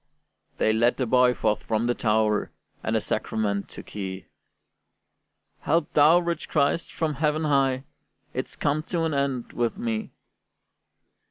They led the boy forth from the tower, And the sacrament took he: "Help thou, rich Christ, from heaven high, It's come to an end with me!"